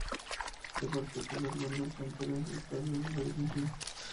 De particular valor son los tres retablos de la iglesia.